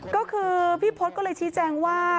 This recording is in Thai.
ก็คือพี่พศก็เลยชี้แจงว่า